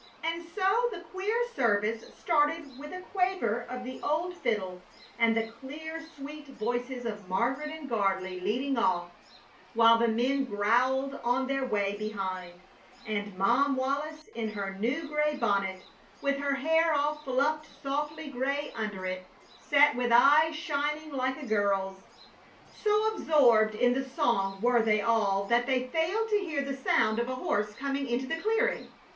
And so the queer service started with a quaver of the old fiddle and the clear, sweet voices of Margaret and Gardley leading off, while the men growled on their way behind, and Mom Wallis, in her new gray bonnet, with her hair all fluffed softly gray under it, sat with eyes shining like a girl's. So absorbed in the song were they all that they failed to hear the sound of a horse coming into the clearing.